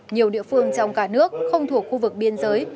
nhiều địa phương trong cả nước không thuộc khu vực biên giới